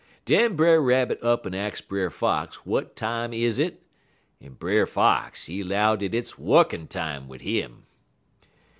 Den Brer Rabbit up en ax Brer Fox w'at time is it, en Brer Fox, he 'low dat hit's wukkin time wid him.